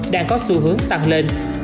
đang có xu hướng tăng lên